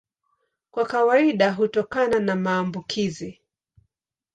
Kwa kawaida hutokana na maambukizi.